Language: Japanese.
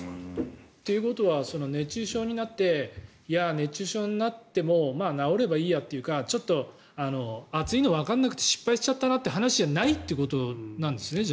ということは熱中症になっていや、熱中症になっても治ればいいやっていうかちょっと暑いのがわからなくて失敗しちゃったなという話ではないということなんですね。